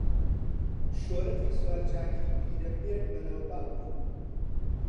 شۆرەتی سوارچاکیی پیرەمێرد بەناوبانگ بوو